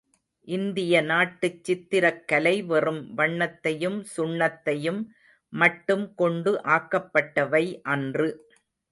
இந்திய நாட்டுச் சித்திரக் கலை வெறும் வண்ணத்தையும் சுண்ணத்தையும் மட்டும் கொண்டு ஆக்கப்பட்டவை அன்று.